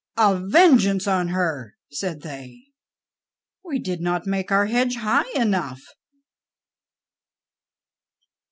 "A vengeance on her!" said they. "We did not make our hedge high enough."